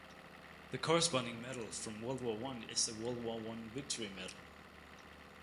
The corresponding medal from World War One is the World War One Victory Medal.